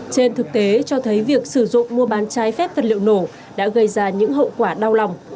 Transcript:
trên thực tế cho thấy việc sử dụng mua bán trái phép vật liệu nổ đã gây ra những hậu quả đau lòng